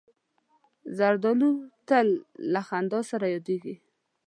زردالو تل له خندا سره یادیږي.